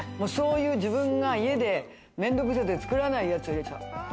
自分が家で面倒くさくて作らないやつを入れちゃう。